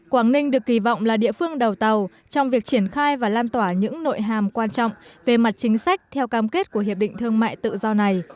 quảng ninh được kỳ vọng là địa phương đầu tàu trong việc triển khai và lan tỏa những nội hàm quan trọng về mặt chính sách theo cam kết của hiệp định thương mại tự do này